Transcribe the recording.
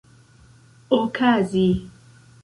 okazi